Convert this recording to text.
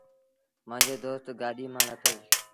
مآݩجو دوست گآڏيٚ مآݩ لٿو۔